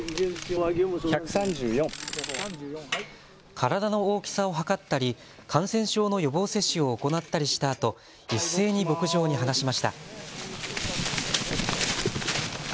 体の大きさを測ったり感染症の予防接種を行ったりしたあと一斉に牧場に放しました。